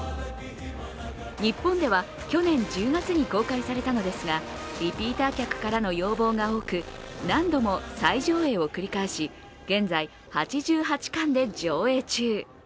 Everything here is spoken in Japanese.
日本では去年１０月に公開されたのですがリピーター客からの要望が多く何度も再上映を繰り返し現在、８８館で上映中。